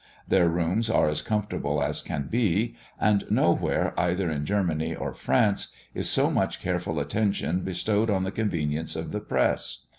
Their rooms are as comfortable as can be; and nowhere, either in Germany or France, is so much careful attention bestowed on the convenience of the press.